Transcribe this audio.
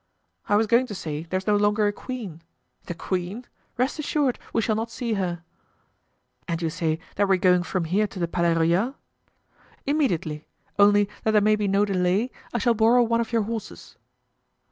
"I was going to say, there's no longer a queen. The queen! Rest assured, we shall not see her." "And you say that we are going from here to the Palais Royal?" "Immediately. Only, that there may be no delay, I shall borrow one of your horses."